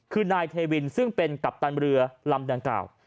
คือนายเทวินซึ่งเป็นกัปตันเรือลำดังกล่าว